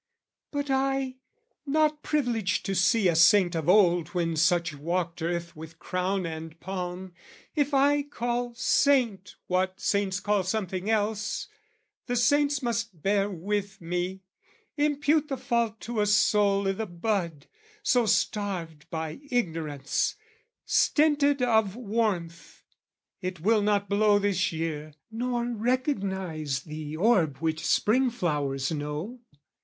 But I, not privileged to see a saint Of old when such walked earth with crown and palm, If I call "saint" what saints call something else The saints must bear with me, impute the fault To a soul i' the bud, so starved by ignorance, Stinted of warmth, it will not blow this year Nor recognise the orb which Spring flowers know.